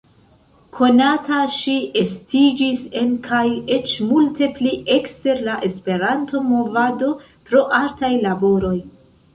Konata ŝi estiĝis en kaj eĉ multe pli ekster la Esperanto-movado pro artaj laboroj.